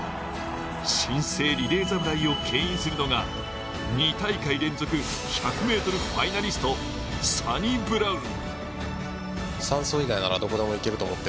新生リレー侍をけん引するのが２大会連続１００ｍファイナリスト、サニブラウン。